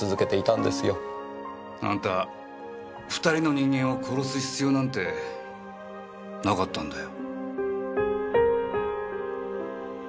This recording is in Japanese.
あんた２人の人間を殺す必要なんてなかったんだよ。